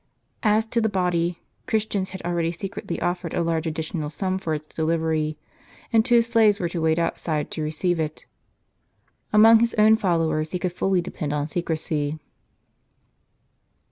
As to the body, Christians had already secretly offered a large additional sum for its delivery. ffi and two slaves were to wait outside to receive it. Among his own followers he could fully depend on secrecy.